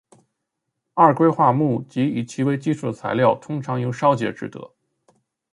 二硅化钼及以其为基础的材料通常由烧结制得。